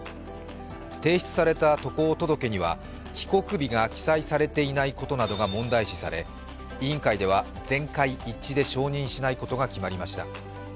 提出された渡航届には帰国日が記載されていないことが問題視され、委員会では、全会一致で承認しないことが決まりました。